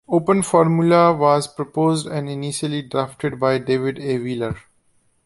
OpenFormula was proposed and initially drafted by David A. Wheeler.